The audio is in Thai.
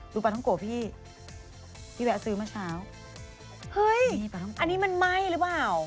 ปลาท้องโกะพี่พี่แวะซื้อเมื่อเช้าเฮ้ยอันนี้มันไหม้หรือเปล่า